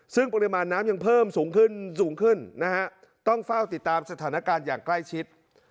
ซึ่งปริมาณน้ำยังเพิ่มสูงขึ้นสูงขึ้นนะฮะต้องเฝ้าติดตามสถานการณ์อย่างใกล้ชิด